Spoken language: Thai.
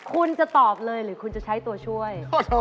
คุณจะตอบเลยหรือคุณจะใช้ตัวช่วย